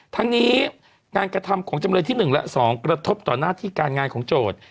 ทั้งนี้งานกระทำของจำเลยที่๑และ๒กระทบต่อหน้าที่การงานของโจทย์